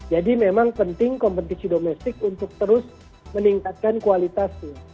jadi memang penting kompetisi domestik untuk terus meningkatkan kualitasnya